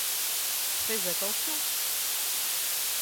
Fais attention.